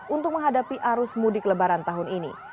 untuk menghadapi arus mudik lebaran tahun ini